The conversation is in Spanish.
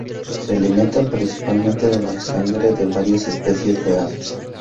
Se alimentan principalmente de la sangre de varias especies de aves.